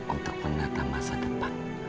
untuk menata masa depan